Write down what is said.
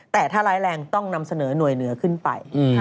แต่ถ้าร้ายแรงต้องนำเสนอหน่วยเหนือขึ้นไป